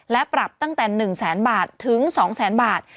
และปรับตั้งแต่๑แสนบาทถึง๒แสนบาท